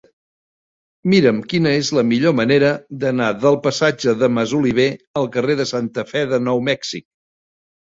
Mira'm quina és la millor manera d'anar del passatge de Masoliver al carrer de Santa Fe de Nou Mèxic.